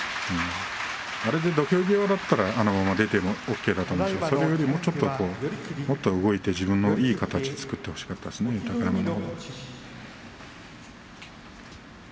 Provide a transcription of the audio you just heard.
あれで土俵際だったらＯＫだと思いますが、それよりももっと動いて自分のいい形を作ってほしかったですね、豊山は。